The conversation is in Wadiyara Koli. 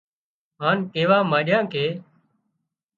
هانَ ڪيوا مانڏيان ڪي